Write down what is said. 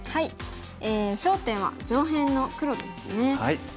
焦点は上辺の黒ですね。